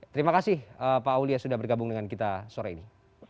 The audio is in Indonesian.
terima kasih pak aulia sudah bergabung dengan kita sore ini